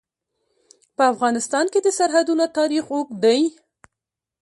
په افغانستان کې د سرحدونه تاریخ اوږد دی.